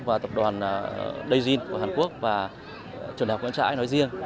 và tập đoàn dayz của hàn quốc và trường đại học quang trãi nói riêng